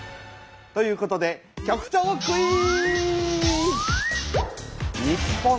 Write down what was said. ということで局長クイズ！